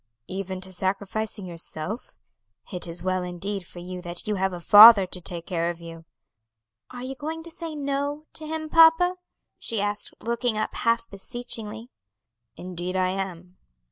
"Even to sacrificing yourself? It is well indeed for you that you have a father to take care of you." "Are you going to say 'No' to him, papa?" she asked, looking up half beseechingly. "Indeed I am."